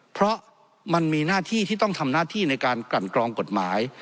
เพราะมันมีหน้าที่ที่ต้องทำหน้าที่ในการกลั่นกรองกฎหมาย